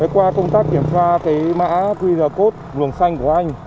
qua công tác kiểm tra mã qr code luồng xanh của anh